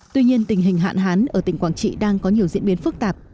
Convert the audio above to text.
tuy nhiên tình hình hạn hán ở tỉnh quảng trị đang có nhiều diễn biến phức tạp